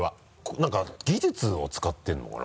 何か技術を使ってるのかな？